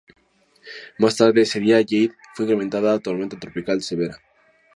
Más tarde ese día, Jade fue incrementada a tormenta tropical severa.